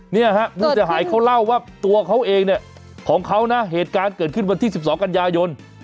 เนี่ยฮะผู้เสียหายเขาเล่าว่าตัวเขาเองเนี่ยของเขานะเหตุการณ์เกิดขึ้นวันที่๑๒กันยายน